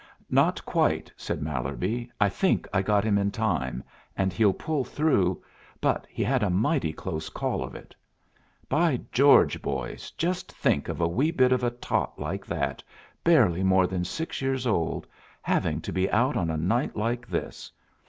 "Not quite," said Mallerby. "I think I got him in time, and he'll pull through, but he had a mighty close call of it. By George, boys, just think of a wee bit of a tot like that, barely more than six years old, having to be out on a night like this!